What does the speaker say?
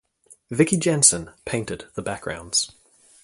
Vicki Jensen painted the backgrounds.